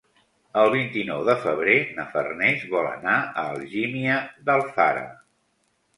El vint-i-nou de febrer na Farners vol anar a Algímia d'Alfara.